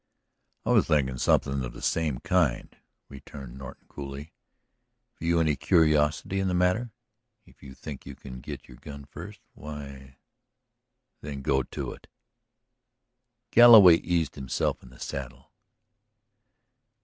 "I was thinking something of the same kind," returned Norton coolly. "Have you any curiosity in the matter? If you think you can get your gun first ... why, then, go to it!" Galloway eased himself in the saddle.